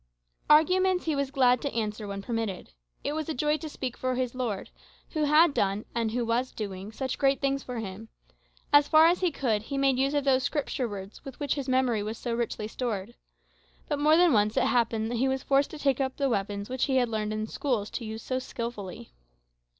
Arguments he was glad to answer when permitted. It was a joy to speak for his Lord, who had done, and was doing, such great things for him. As far as he could, he made use of those Scripture words with which his memory was so richly stored. But more than once it happened that he was forced to take up the weapons which he had learned in the schools to use so skilfully.